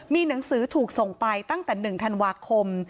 มีหนังสือถูกส่งไปตั้งแต่๑ธันวาคม